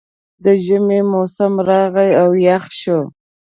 د ژمي موسم راغی او یخ شو